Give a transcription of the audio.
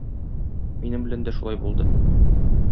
Минем белән дә шулай булды.